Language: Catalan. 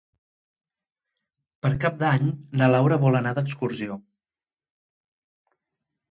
Per Cap d'Any na Laura vol anar d'excursió.